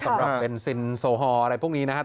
สำหรับเบนซินโซฮอลอะไรพวกนี้นะครับ